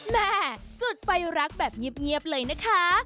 แม่จุดไฟรักแบบเงียบเลยนะคะ